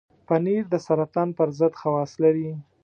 پنېر د سرطان پر ضد خواص لري.